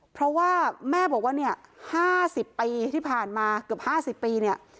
เพราะว่าแม่บอกว่าเนี้ยห้าสิบปีที่ผ่านมาเกือบห้าสิบปีเนี้ย